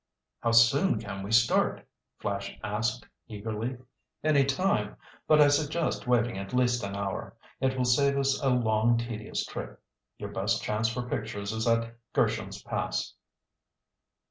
"How soon can we start?" Flash asked eagerly. "Any time, but I suggest waiting at least an hour. It will save us a long, tedious trip. Your best chance for pictures is at Gersham's Pass."